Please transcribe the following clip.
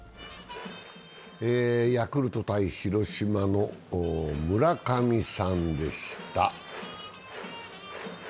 ヤクルト×広島の村上さんでした。